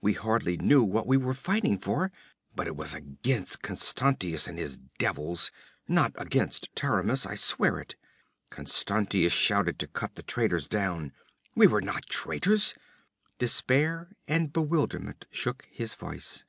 We hardly knew what we were fighting for, but it was against Constantius and his devils not against Taramis, I swear it! Constantius shouted to cut the traitors down. We were not traitors!' Despair and bewilderment shook his voice.